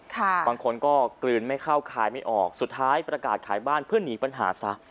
บางคนก็กลืนไม่เข้าขายไม่ออกสุดท้ายประกาศขายบ้านเพื่อหนีปัญหาซะ